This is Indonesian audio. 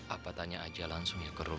apa tanya aja langsung ya ke rumah